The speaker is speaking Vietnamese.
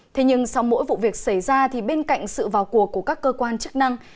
thế nhưng sau mỗi vụ việc xảy ra thì bên cạnh sự vào cuộc của các cơ quan chức năng